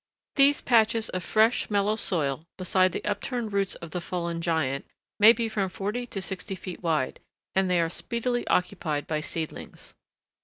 These patches of fresh, mellow soil beside the upturned roots of the fallen giant may be from forty to sixty feet wide, and they are speedily occupied by seedlings.